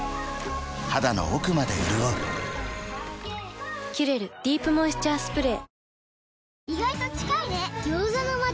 肌の奥まで潤う「キュレルディープモイスチャースプレー」